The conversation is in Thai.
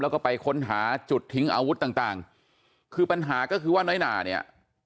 แล้วก็ไปค้นหาจุดทิ้งอาวุธต่างต่างคือปัญหาก็คือว่าน้อยหนาเนี่ย